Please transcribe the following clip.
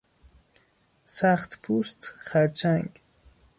سختپوست خرچنگ